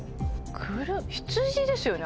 羊ですよね？